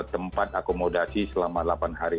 tempat akomodasi selama delapan hari